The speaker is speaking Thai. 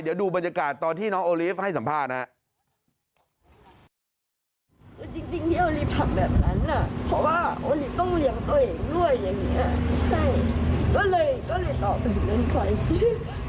เดี๋ยวดูบรรยากาศตอนที่น้องโอลีฟให้สัมภาษณ์นะครับ